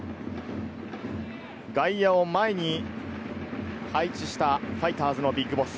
外野を前に配置したファイターズのＢＩＧＢＯＳＳ。